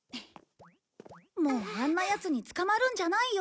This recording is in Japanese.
もうあんなヤツに捕まるんじゃないよ。